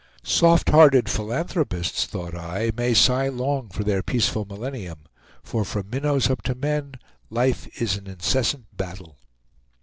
"Soft hearted philanthropists," thought I, "may sigh long for their peaceful millennium; for from minnows up to men, life is an incessant battle."